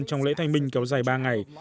trong lễ thanh minh kéo dài ba ngày